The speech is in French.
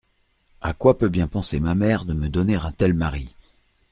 A quoi peut bien penser ma mère De me donner un tel mari !